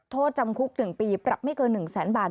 โทษจำคุก๑ปีปรับไม่เกิน๑แสนบาท